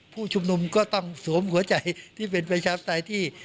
ผู้ชุมนุมก็ต้องสวมหัวใจที่เป็นประชาธิปไตยที่